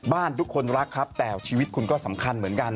ทุกคนรักครับแต่ชีวิตคุณก็สำคัญเหมือนกัน